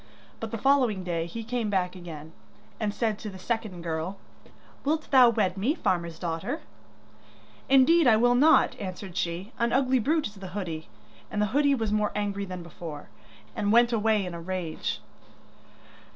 But the following day he came back again, and said to the second girl: 'Wilt thou wed me, farmer's daughter?' 'Indeed I will not,' answered she, 'an ugly brute is the hoodie.' And the hoodie was more angry than before, and went away in a rage.